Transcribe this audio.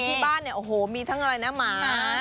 ที่บ้านเนี่ยโอ้โหมีทั้งอะไรนะหมา